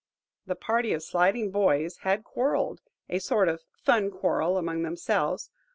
The party of sliding boys had quarrelled,–a sort of fun quarrel among themselves.